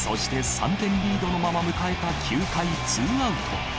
３点リードのまま迎えた９回ツーアウト。